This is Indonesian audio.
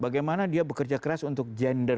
bagaimana dia bekerja keras untuk gender